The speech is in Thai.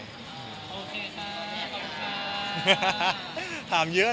โอเคค่ะขอบคุณค่ะ